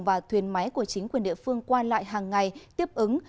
và thuyền máy của chính quyền địa phương qua lại hàng ngày tiếp ứng